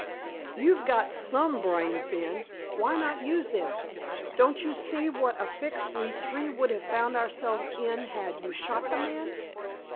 "You've got some brains, then. Why not use them? Don't you see what a fix we three would have found ourselves in had you shot the man?"